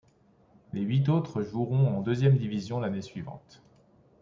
Les huit autres joueront en deuxième division l’année suivante.